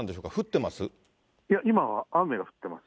いや、今は雨が降ってます。